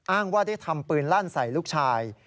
อ้างว่าได้ทำปืนลั่นใส่ลูกชาย